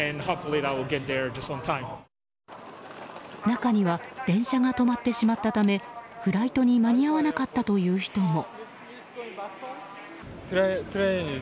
中には電車が止まってしまったためフライトに間に合わなかったという人も。